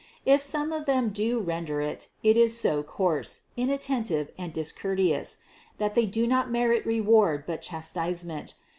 If some of them do render it, it is so coarse, in attentive and discourteous, that they do not merit re ward but chastisement.